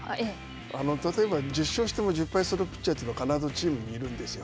例えば１０勝しても１０敗するピッチャーというのは、いるんですよ。